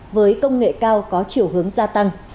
với công nghệ cao có chiều hướng gia tăng